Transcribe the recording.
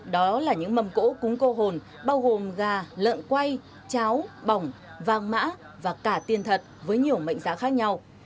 đó là những mầm cỗ cúng cô hồn bao gồm gà lợn quay cháo bỏng vàng mã và cả tiền thật với nhiều mệnh giá khác nhau